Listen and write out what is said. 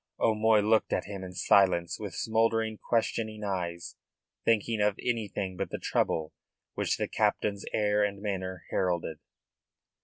O'Moy looked at him in silence with smouldering, questioning eyes, thinking of anything but the trouble which the captain's air and manner heralded.